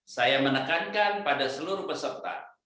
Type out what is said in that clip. saya menekankan pada seluruh peserta